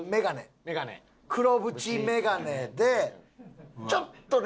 黒縁眼鏡でちょっとね